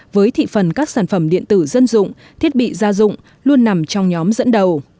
với thị phần các sản phẩm điện tử dân dụng thiết bị gia dụng luôn nằm trong nhóm dẫn đầu